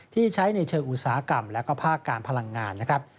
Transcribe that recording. ที่ใช้ในเชิงอุตสาหกรรมและภาคการพลังงานนะครับ